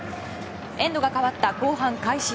エンドが変わった後半開始